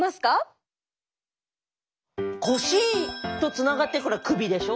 腰とつながってるから首でしょ？